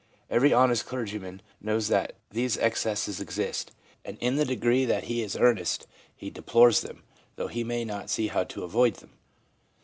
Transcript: Every honest clergyman knows that these excesses exist, and in the degree that he is earnest he deplores them, though he may not see how to avoid them.